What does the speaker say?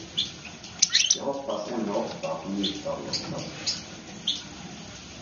Jag hoppas ännu ofta få njuta av ert sällskap.